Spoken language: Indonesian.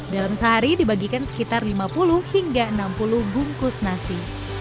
dalam sehari dibagikan sekitar lima puluh hingga enam puluh bungkus nasi